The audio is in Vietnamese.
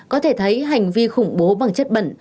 có thể thấy hành vi khủng bố bằng chất bẩn